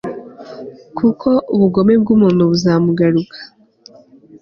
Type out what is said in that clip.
kuko ubugome bw'umuntu buzamugaruka